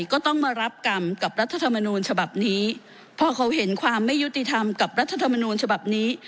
ก็ต้องมารับกรรมกับรัฐธรรมนูญฉบับนี้พอเขาเห็นความไม่ยุติธรรมกับรัฐธรรมนูญฉบับนี้